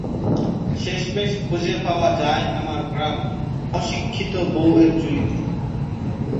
শেষমেশ খুজে পাওয়া যায় আমার গ্রাম্য, অশিক্ষিত বউ এর ঝুলিতে।